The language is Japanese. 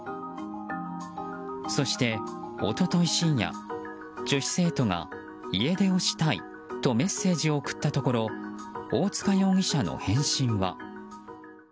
そして、一昨日深夜女子生徒が家出をしたいとメッセージを送ったところ大塚容疑者の返信は。